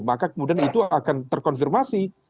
maka kemudian itu akan terkonfirmasi